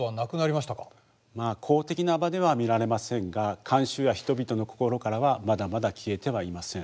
まあ公的な場では見られませんが慣習や人々の心からはまだまだ消えてはいません。